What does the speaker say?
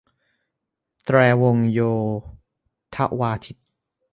แตรวงโยธวาทิต